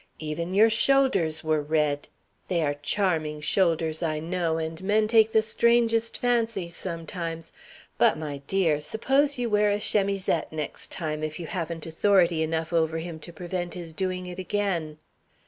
Even your shoulders were red! They are charming shoulders, I know, and men take the strangest fancies sometimes. But, my dear, suppose you wear a chemisette next time, if you haven't authority enough over him to prevent his doing it again!